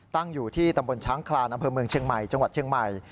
ตั้งอยู่ที่ตำบลช้างคลานอำเภอเมืองเชียงใหม่จังหวัดเชียงใหม่